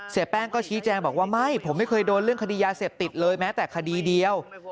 แป้งก็ชี้แจงบอกว่าไม่ผมไม่เคยโดนเรื่องคดียาเสพติดเลยแม้แต่คดีเดียว